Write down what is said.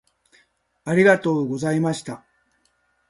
ありがとうございました。